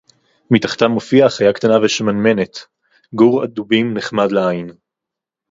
מִתַּחְתָּם הוֹפִיעָה חַיָּה קְטַנָּה וּשְׁמַנְמֶנֶת — גּוּר דֻבִּים נֶחְמָד לָעַיִן.